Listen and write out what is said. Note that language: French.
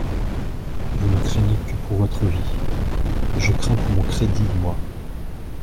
Vous ne craignez que pour votre vie, je crains pour mon crédit, moi.